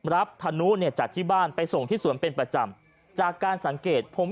ธนุเนี่ยจากที่บ้านไปส่งที่สวนเป็นประจำจากการสังเกตผม